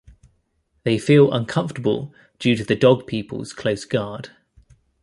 They feel uncomfortable due to the Dog people's close guard.